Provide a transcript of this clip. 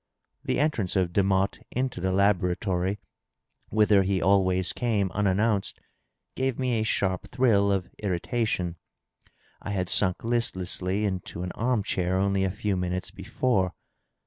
The entrance of Demotte into the laboratory, whither he always came unannounced, gave me a sharp thrill of irritation. I had sunk listlessly into an arm chair only a few minutes before.